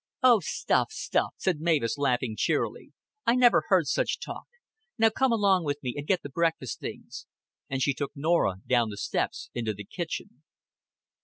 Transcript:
"Oh, stuff, stuff," said Mavis, laughing cheerily. "I never heard such talk. Now come along with me, and get the breakfast things;" and she took Norah down the steps into the kitchen.